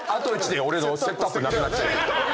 俺のセットアップなくなっちゃう。